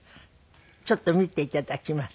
ちょっと見て頂きます。